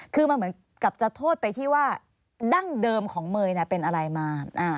คือมันเหมือนกับจะโทษไปที่ว่าดั้งเดิมของเมย์เป็นอะไรมา